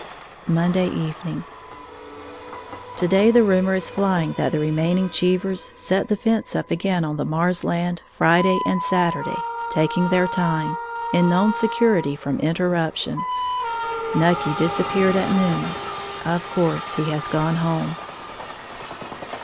Monday Evening. To day the rumor is flying that the remaining Cheevers set the fence up again on the Marrs land Friday and Saturday, taking their time, in known security from interruption. Nucky disappeared at noon, of course he has gone home.